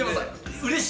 うれしい。